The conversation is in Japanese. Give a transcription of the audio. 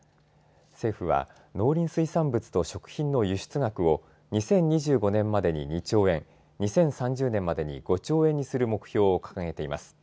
政府は農林水産物と食品の輸出額を２０２５年までに２兆円、２０３０年までに５兆円にする目標を掲げています。